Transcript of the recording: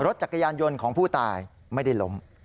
รถจักรยานยนต์ของผู้ตายไม่ได้ล้ม